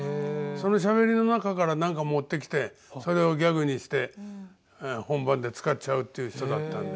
そのしゃべりの中から何か持ってきてそれをギャグにして本番で使っちゃうっていう人だったんで。